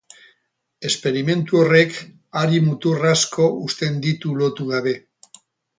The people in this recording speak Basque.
Esperimentu horrek hari-mutur asko uzten ditu lotu gabe.